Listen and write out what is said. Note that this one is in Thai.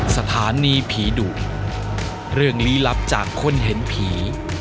สถานีผีดุเรื่องลี้ลับจากคนเห็นผี